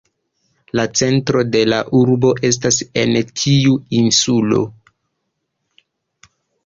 La centro de la urbo estas en tiu insulo.